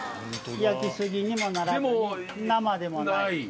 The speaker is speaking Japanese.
焼き過ぎにもならない生でもない。